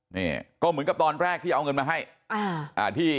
นี่ก็เหมือนกับตอนแรกที่เอาเงินมาให้อ่าที่